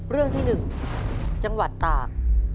เรื่องที่๑จังหวัดตาก